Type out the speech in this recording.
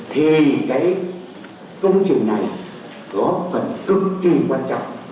thì cái công trình này góp phần cực kỳ quan trọng